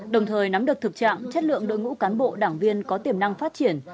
đồng thời nắm được thực trạng chất lượng đội ngũ cán bộ đảng viên có tiềm năng phát triển